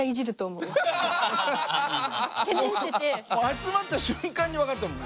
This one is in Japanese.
集まった瞬間に分かったもん